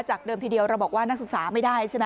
เดิมทีเดียวเราบอกว่านักศึกษาไม่ได้ใช่ไหม